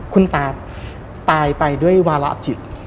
คุณตาตายไปด้วยวาระจิต